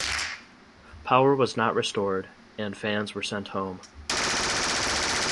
Power was not restored and fans were sent home.